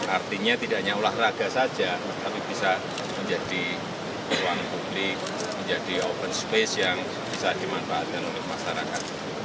artinya tidak hanya olahraga saja tapi bisa menjadi ruang publik menjadi open space yang bisa dimanfaatkan oleh masyarakat